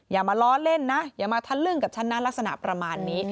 อย่ามาล้อเล่นนะอย่ามาทะลึ่งกับฉันนะลักษณะประมาณนี้